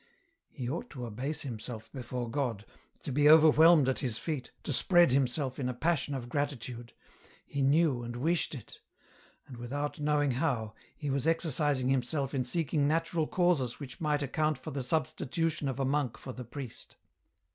He ought to abase himself before God, to be overwhelmed at His feet, to spread himseL in a passion of gratitude ; he knew and wished it ! And without knowing how, he was exercising himself in seeking natural causes which might account for the substitution of a monk for the priest.